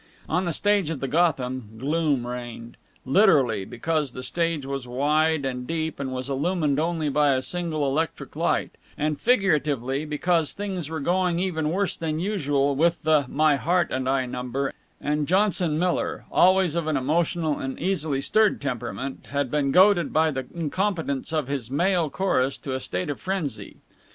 On the stage of the Gotham gloom reigned literally, because the stage was wide and deep and was illumined only by a single electric light; and figuratively, because things were going even worse than usual with the "My Heart and I" number, and Johnson Miller, always of an emotional and easily stirred temperament, had been goaded by the incompetence of his male chorus to a state of frenzy.